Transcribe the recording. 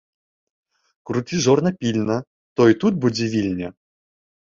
Круці жорна пільна, то і тут будзе Вільня!